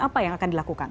apa yang akan dilakukan